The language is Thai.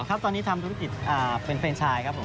ครับตอนนี้ทำธุรกิจเป็นแฟนชายครับผม